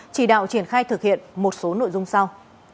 chỉ đạo triển khai thực hiện một số nội dung sau